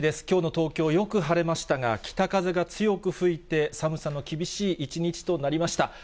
きょうの東京はよく晴れましたが、北風が強く吹いて、寒さの厳しい一日となりました。